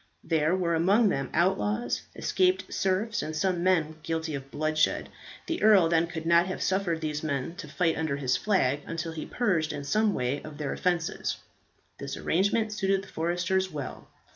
There were among them outlaws, escaped serfs, and some men guilty of bloodshed. The earl then could not have suffered these men to fight under his flag until purged in some way of their offences. This arrangement suited the foresters well.